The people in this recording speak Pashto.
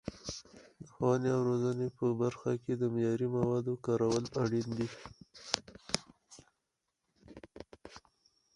د ښوونې او روزنې په برخه کې د معیاري موادو کارول اړین دي.